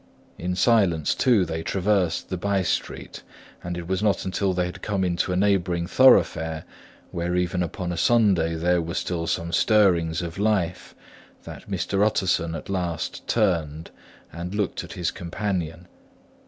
In silence, too, they traversed the by street; and it was not until they had come into a neighbouring thoroughfare, where even upon a Sunday there were still some stirrings of life, that Mr. Utterson at last turned and looked at his companion.